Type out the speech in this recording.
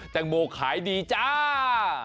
แตงโมขายดีจ้า